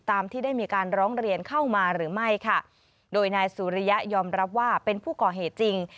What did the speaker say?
ตามที่ได้มีการร้องเรียนเข้ามาหรือไม่ค่ะโดยนายสุริยะยอมรับว่าเป็นผู้ก่อเหตุจริง